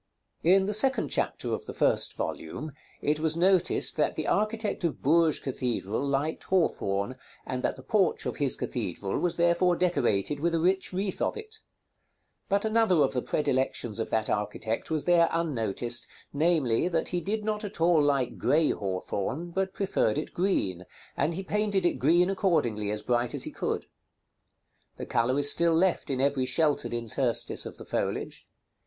§ XLIV. In the second chapter of the first volume, it was noticed that the architect of Bourges Cathedral liked hawthorn, and that the porch of his cathedral was therefore decorated with a rich wreath of it; but another of the predilections of that architect was there unnoticed, namely, that he did not at all like grey hawthorn, but preferred it green, and he painted it green accordingly, as bright as he could. The color is still left in every sheltered interstice of the foliage.